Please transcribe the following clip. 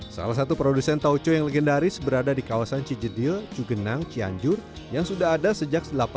salah satu produsen tauco yang legendaris berada di kawasan cijedil cugenang cianjur yang sudah ada sejak seribu delapan ratus sembilan puluh